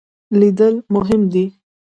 لیدل مهم دی.